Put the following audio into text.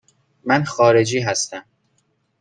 من خارجی هستم.